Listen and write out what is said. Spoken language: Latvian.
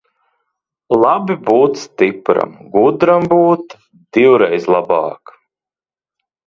Labi būt stipram, gudram būt divreiz labāk.